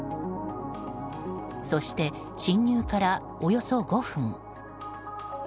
そして侵入から、およそ５分。